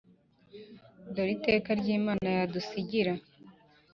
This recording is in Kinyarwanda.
Dore iteka ry'Imana yadusigira